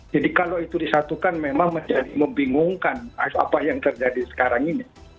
jadi kalau itu disatukan memang menjadi membingungkan apa yang terjadi sekarang ini